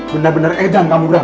benar benar edam kamu ram